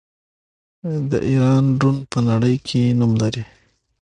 د ایران ډرون په نړۍ کې نوم لري.